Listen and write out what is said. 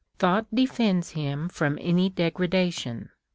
Thought defends him from any degradation.